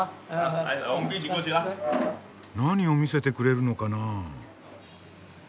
何を見せてくれるのかなあ？